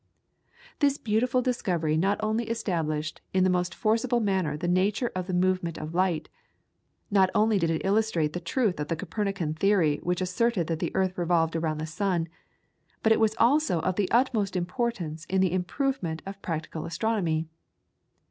This beautiful discovery not only established in the most forcible manner the nature of the movement of light; not only did it illustrate the truth of the Copernican theory which asserted that the earth revolved around the sun, but it was also of the utmost importance in the improvement of practical astronomy.